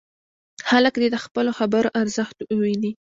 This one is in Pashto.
خلک دې د خپلو خبرو ارزښت وویني.